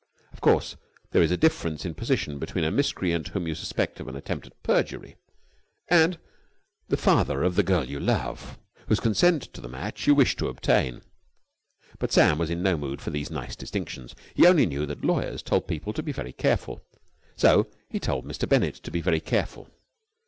Of course, there is a difference in position between a miscreant whom you suspect of an attempt at perjury and the father of the girl you love, whose consent to the match you wish to obtain, but Sam was in no mood for these nice distinctions. He only knew that lawyers told people to be very careful, so he told Mr. Bennett to be very careful.